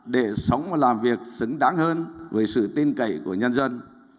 để sống và làm việc xứng đáng hơn với sự tin cậy của nhân dân